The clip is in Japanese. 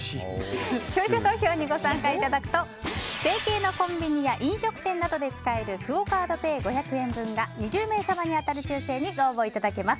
視聴者投票にご参加いただくと提携のコンビニや飲食店などで使えるクオ・カードペイ５００円分が２０名様に当たる抽選にご応募いただけます。